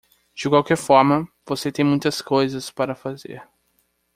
De qualquer forma, você tem muitas coisas para fazer.